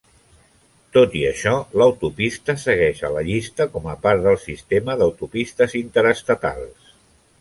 Tot i això, l'autopista segueix a la llista com a part del sistema d'autopistes interestatals.